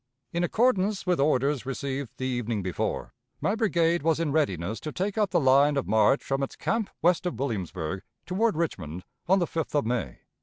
"In accordance with orders received the evening before, my brigade was in readiness to take up the line of march from its camp west of Williamsburg toward Richmond on the 5th of May.